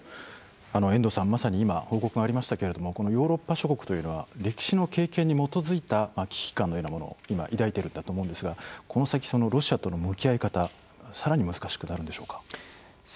遠藤さんまさに今報告がありましたけれどもヨーロッパ諸国というのは歴史の経験に基づいた危機感のようなものを今抱いているんだと思うんですがこの先ロシアとの向き合い方さらに難しくなるんでしょうか。